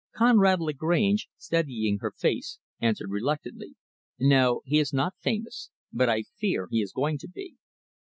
Conrad Lagrange, studying her face, answered reluctantly, "No, he is not famous; but I fear he is going to be."